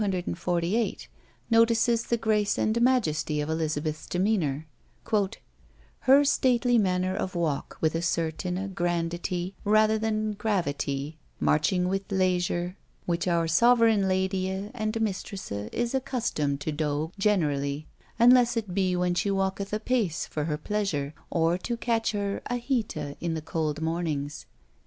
248, notices the grace and majesty of Elizabeth's demeanour: "Her stately manner of walk, with a certaine granditie rather than gravietie, marching with leysure, which our sovereign ladye and mistresse is accustomed to doe generally, unless it be when she walketh apace for her pleasure, or to catch her a heate in the cold mornings."